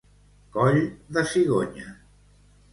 Coll de cigonya.